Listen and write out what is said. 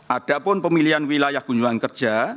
adapun pemilihan wilayah kunjungan kerja